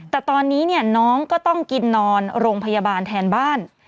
แต่ตอนนี้น้องก็ต้องกินนอนโรงพยาบาลแทนบ้าน